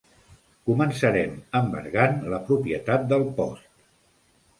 Començarem embargant la propietat del Post.